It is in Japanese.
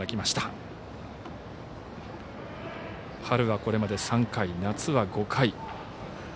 春は、これまで３回夏は５回。